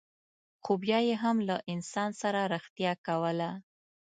خو بیا یې هم له انسان سره رښتیا کوله.